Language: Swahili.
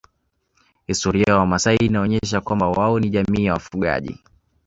Historia ya wamasai inaonyesha kwamba wao ni jamii ya wafugaji